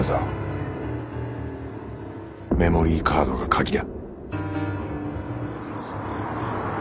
メモリーカードが鍵だ